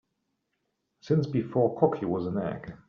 Since before cocky was an egg.